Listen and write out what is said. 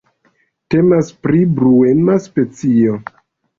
Temas pri bruema specio.